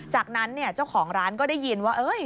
จากนั้นเนี่ยเจ้าของร้านก็ได้ยินว่า